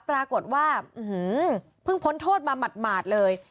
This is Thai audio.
ปรากฏว่าอื้อหือพึ่งพ้นโทษมาหมัดเลย